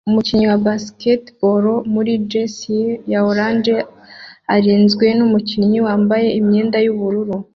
Umukinnyi wa basketball muri jersey ya orange arinzwe numukinnyi wambaye imyenda yubururu